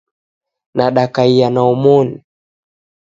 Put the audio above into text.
Nadakaiya na omoni